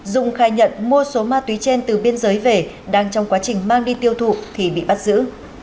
dung khai nhận mua số ma túy trên từ biên giới về đang trong quá trình mang đi tiêu thụ thì bị bắt giữ